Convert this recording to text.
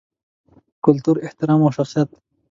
کلتور، احترام او شخصیت